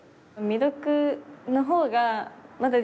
未読の方が多い？